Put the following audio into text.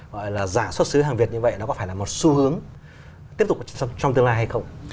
gọi là giả xuất xứ hàng việt như vậy nó có phải là một xu hướng tiếp tục trong tương lai hay không